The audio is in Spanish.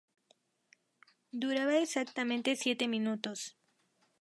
Duraba exactamente siete minutos.